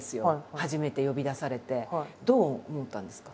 初めて呼び出されてどう思ったんですか？